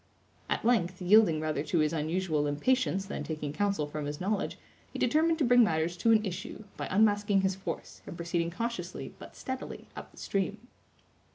At length, yielding rather to his unusual impatience than taking counsel from his knowledge, he determined to bring matters to an issue, by unmasking his force, and proceeding cautiously, but steadily, up the stream.